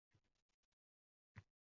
Agar taxtda o’tirsa dajjol